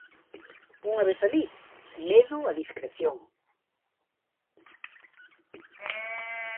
Unha vez alí, medo a discreción.